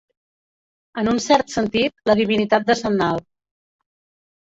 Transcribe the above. En un cert sentit, la divinitat decennal.